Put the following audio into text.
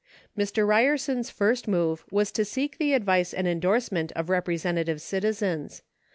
Mr. Ryerson's first move was to seek the advice and endorsement of representative citizens.